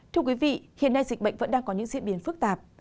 thưa quý vị hiện nay dịch bệnh vẫn đang có những diễn biến phức tạp